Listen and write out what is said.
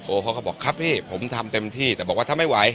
เขาก็บอกครับพี่ผมทำเต็มที่แต่บอกว่าถ้าไม่ไหว